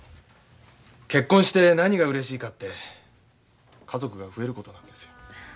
結婚して何がうれしいかって家族が増えることなんですよ。